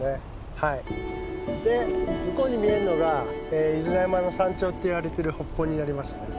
で向こうに見えるのが飯縄山の山頂っていわれてる北峰になりますね。